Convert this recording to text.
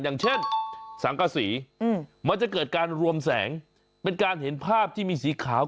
อย่างเช่นสังกษีมันจะเกิดการรวมแสงเป็นการเห็นภาพที่มีสีขาว